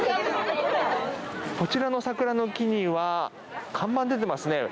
こちらの桜の木には看板が出ていますね。